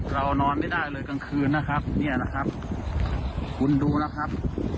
นอนไม่ได้เลยกลางคืนนะครับเนี่ยนะครับคุณดูนะครับ